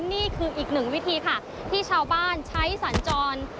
นี่คืออีกหนึ่งวิธีค่ะที่ชาวบ้านใช้สัญจร